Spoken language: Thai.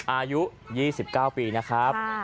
อายุ๒๙ปีนะครับ